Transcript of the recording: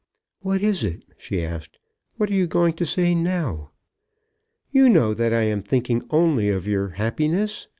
"What is it?" she asked. "What are you going to say now?" "You know that I am thinking only of your happiness.